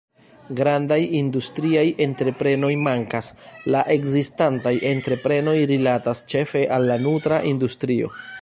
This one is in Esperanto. Grandaj industriaj entreprenoj mankas; la ekzistantaj entreprenoj rilatas ĉefe al la nutra industrio.